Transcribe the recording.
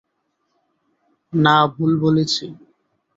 না, ভুল বলেছি।